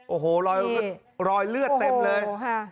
โอ้โหรอยเลือดเต็มเลย